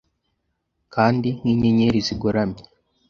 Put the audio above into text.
kandi nkinyenyeri zigoramye